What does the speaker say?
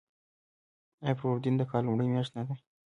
آیا فروردین د کال لومړۍ میاشت نه ده؟